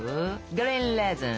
グリーンレーズン！